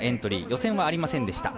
予選はありませんでした。